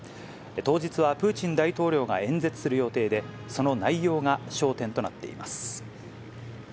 当日はプーチン大統領が演説する予定で、その内容が焦点となっています。